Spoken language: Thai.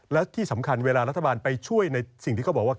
และที่สำคัญเวลารัฐบาลไปช่วยในสิ่งที่เขาบอกว่า